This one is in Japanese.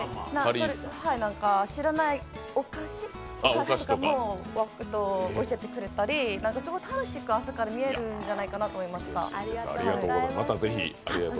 知らないお菓子とかも教えてくれたり、すごい楽しく朝から見れるんじゃないかなと思いました。